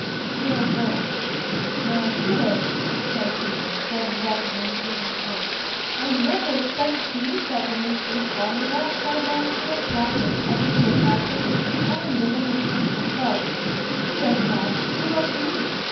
"Senora Gredos." "Maraquito!" cried Juliet, starting back with an indignant look. "I never expected to meet that woman " "You call me that?" cried Maraquito, flashing, up into a passion. "I am the woman Cuthbert loves." "He does not. He loves me.